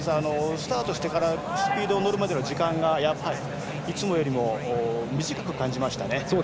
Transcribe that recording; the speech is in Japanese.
スタートしてからスピード乗るまでの時間がいつもよりも短く感じましたね。